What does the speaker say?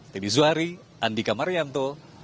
tini zuhari andika marianto